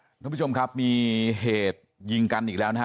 คุณผู้ชมครับมีเหตุยิงกันอีกแล้วนะฮะ